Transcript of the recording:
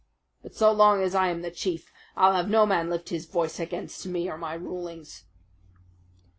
But so long as I am the chief I'll have no man lift his voice against me or my rulings."